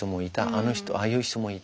あの人ああいう人もいたって。